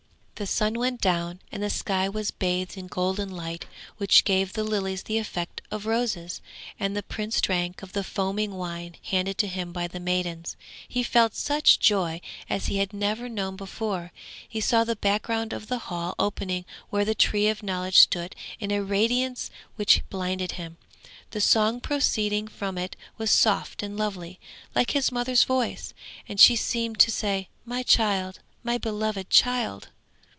The sun went down and the sky was bathed in golden light which gave the lilies the effect of roses; and the Prince drank of the foaming wine handed to him by the maidens. He felt such joy as he had never known before; he saw the background of the hall opening where the Tree of Knowledge stood in a radiancy which blinded him. The song proceeding from it was soft and lovely, like his mother's voice, and she seemed to say, 'My child, my beloved child!'